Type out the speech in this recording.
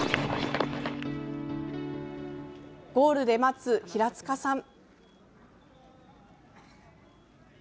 ゴールで待つ平塚さん。